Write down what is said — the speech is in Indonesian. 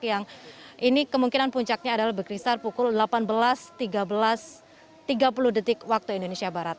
yang ini kemungkinan puncaknya adalah berkisar pukul delapan belas tiga puluh waktu indonesia barat